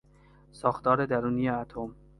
ساختار درونی اتم